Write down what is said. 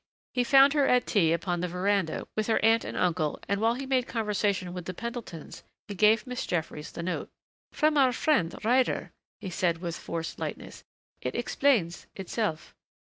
He found her at tea upon the veranda with her aunt and uncle and while he made conversation with the Pendletons he gave Miss Jeffries the note. "From our friend Ryder," he said with forced lightness. "It explains itself."